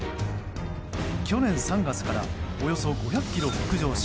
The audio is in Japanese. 去年３月からおよそ５００ｋｍ北上し